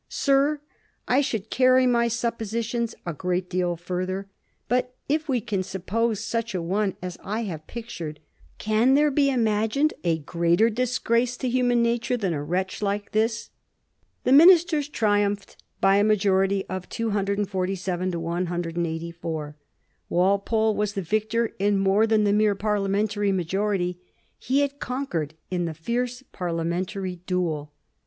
" Sir, I could carry my suppositions a great deal further; but if we can suppose such a one as I have pictured, can there be imagined a greater disgrace to human nature than a wretch like this ?" The ministers triumphed by a majority of 247 to 184. Walpole was the victor in more than the mere parliamen tary majority. He had conquered in the fierce parliamen tary duel.